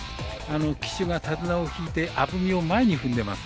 騎手が手綱を引いて鐙を前に踏んでいます。